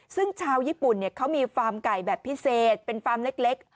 ซึ่งชาวญี่ปุ่นเขามีฟาร์มไก่แบบพิเศษเป็นฟาร์มเล็ก